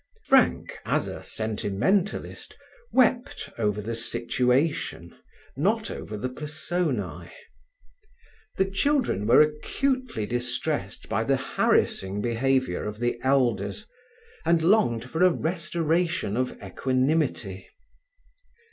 Frank, as a sentimentalist, wept over the situation, not over the personae. The children were acutely distressed by the harassing behaviour of the elders, and longed for a restoration of equanimity.